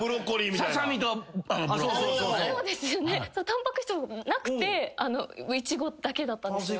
タンパク質なくてイチゴだけだったんですよ。